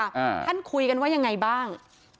อ่าท่านคุยกันว่ายังไงบ้าง